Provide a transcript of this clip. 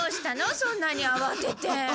そんなに慌てて。